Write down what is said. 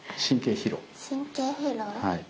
はい。